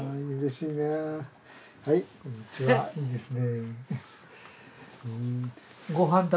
いいですね。